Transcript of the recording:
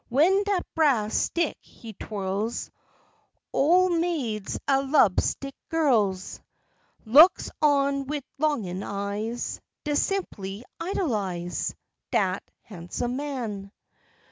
W'en dat brass stick he twirls, Ole maids an' lub sick gurls Looks on wid longin' eyes, Dey simpley idolize Dat han'sum man.